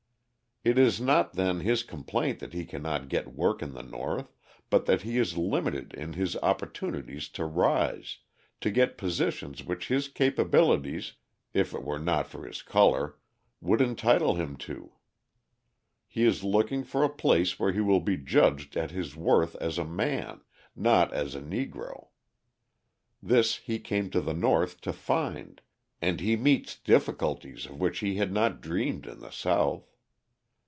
It is not, then, his complaint that he cannot get work in the North, but that he is limited in his opportunities to rise, to get positions which his capabilities (if it were not for his colour) would entitle him to. He is looking for a place where he will be judged at his worth as a man, not as a Negro: this he came to the North to find, and he meets difficulties of which he had not dreamed in the South.